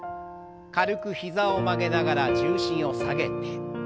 軽く膝を曲げながら重心を下げて。